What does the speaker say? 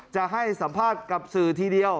จะให้สัมภาษณ์กับสื่อทีเดียว